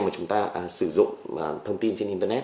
mà chúng ta sử dụng thông tin trên internet